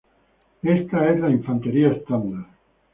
Ésta es la infantería estándar.